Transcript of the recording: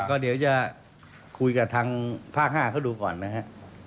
ก็เดี๋ยวจะคุยกับทางภาค๕เขาดูก่อนนะฮะ